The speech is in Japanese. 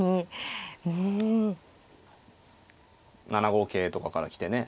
７五桂とかから来てね。